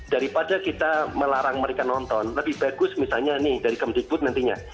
daripada kita melarang mereka nonton lebih bagus misalnya nih dari kemdikbud nantinya